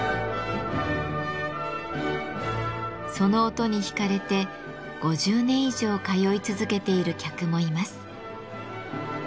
その音に引かれて５０年以上通い続けている客もいます。